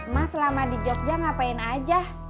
mas selama di jogja ngapain aja